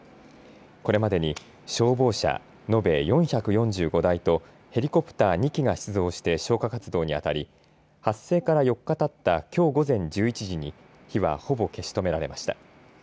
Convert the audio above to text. これまでに消防車延べ４４５台とヘリコプター２機が出動して消火活動にあたり発生から４日たったきょう午前１１時に火はほぼ消し止められました。